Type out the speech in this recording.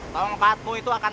tongkatmu itu akan